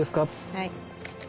はい。